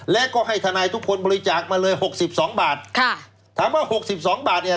และก็ให้ทนายทุกคนบริจาคมาเลยหกสิบสองบาทค่ะถามว่าหกสิบสองบาทเนี่ย